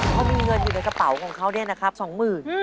เขามีเงินอยู่ในกระเป๋าของเขาเนี่ยนะครับ๒๐๐๐บาท